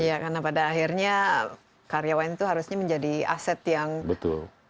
iya karena pada akhirnya karyawan itu harusnya menjadi aset yang betul